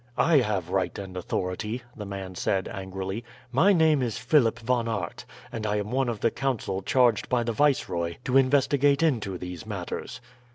"I have right and authority," the man said angrily. "My name is Philip Von Aert, and I am one of the council charged by the viceroy to investigate into these matters."